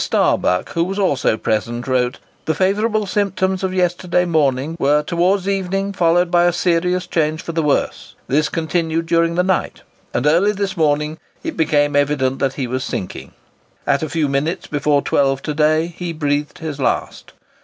Starbuck, who was also present, wrote, "The favourable symptoms of yesterday morning were towards evening followed by a serious change for the worse. This continued during the night, and early this morning it became evident that he was sinking. At a few minutes before 12 to day he breathed his last.